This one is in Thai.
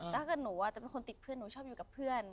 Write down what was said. ถ้าเกิดหนูจะเป็นคนติดเพื่อนหนูชอบอยู่กับเพื่อน